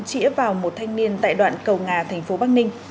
chỉa vào một thanh niên tại đoạn cầu ngà tp bắc ninh